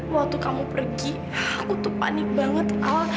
waktu kamu pergi aku tuh panik banget